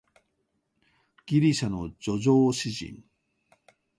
ギリシャの叙情詩人